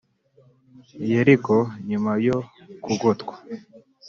Yeriko nyuma yo kugotwa